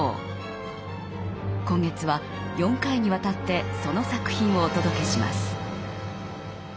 今月は４回にわたってその作品をお届けします。